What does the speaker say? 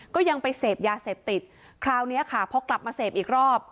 ก็ยังไปเสพยาเสพติดคราวนี้ค่ะพอกลับมาเสพอีกรอบ